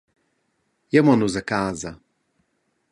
Jeu mon ussa a casa.